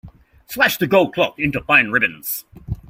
Slash the gold cloth into fine ribbons.